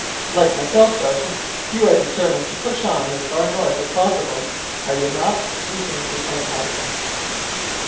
"Like myself, Sergeant, you are determined to push on as far north as possible—are you not?" resumed Lieutenant Hobson.